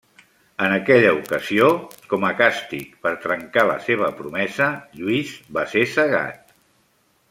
En aquella ocasió, com a càstig per trencar la seva promesa, Lluís va ser cegat.